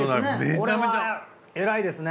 これは偉いですね。